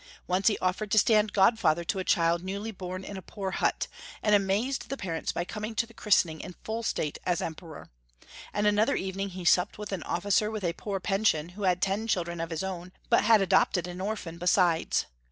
Once he offered to stand godfather to a child newly born in a poor hut, and amazed the parents by coming to the christening in full state as Em peror; and another evening he supped with an oiKcer A^th a poor pension, who had ten children of his own, but had adopted an orphan besides.